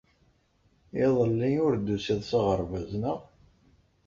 Iḍelli ur d-tusiḍ s aɣerbaz, naɣ?